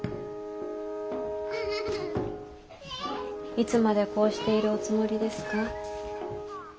いつまでこうしているおつもりですか？